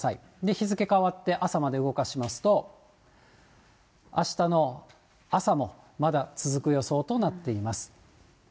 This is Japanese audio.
日付変わって朝まで動かしますと、あしたの朝も、まだ続く予想となっています。